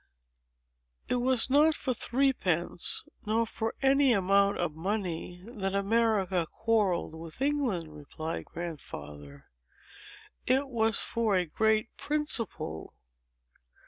"It was not for three pence, nor for any amount of money, that America quarrelled with England," replied Grandfather; "it was for a great principle.